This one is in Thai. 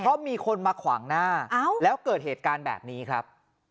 เพราะมีคนมาขวางหน้าแล้วเกิดเหตุการณ์แบบนี้ครับ